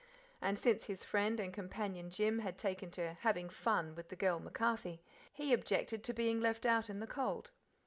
And, since his friend and companion Jim had taken to "having fun" with "the girl MacCarthy," he objected to being left out in the cold.